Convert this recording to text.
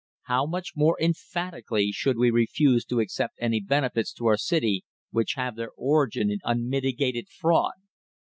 How much more emphatically should we refuse to accept any benefits to our city which have their origin in unmitigated fraud!